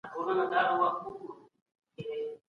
د ارغنداب سیند له امله د کندهار هوا معتدله سوي.